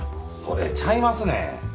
それちゃいますね。